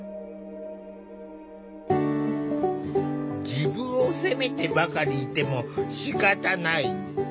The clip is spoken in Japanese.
自分を責めてばかりいてもしかたない。